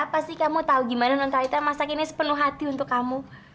pasti kamu tahu gimana nontalita masakinya sepenuh hati untuk kamu